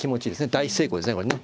大成功ですねこれね。